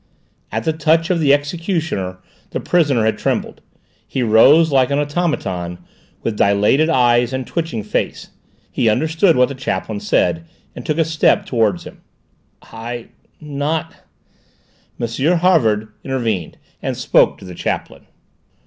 At the touch of the executioner the prisoner had trembled; he rose, like an automaton, with dilated eyes and twitching face. He understood what the chaplain said and took a step towards him. "I not " M. Havard intervened, and spoke to the chaplain.